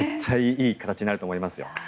いい形になると思いますよ。